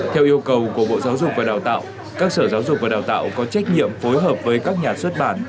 theo yêu cầu của bộ giáo dục và đào tạo các sở giáo dục và đào tạo có trách nhiệm phối hợp với các nhà xuất bản